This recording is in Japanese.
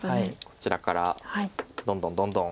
こちらからどんどんどんどん。